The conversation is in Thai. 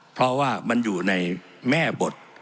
เพราะว่ามันอยู่ในแม่บท